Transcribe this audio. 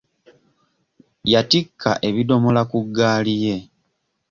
Yattikka ebiddomola ku ggaali ye.